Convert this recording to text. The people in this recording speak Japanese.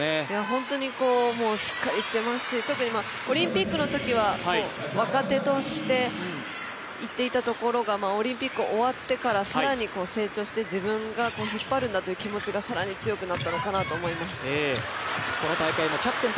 本当にしっかりしてますし特にオリンピックのときは若手として、いっていたところがオリンピック終わってから更に成長して自分が引っ張るんだという気持ちが更に強くなったのかなと思います。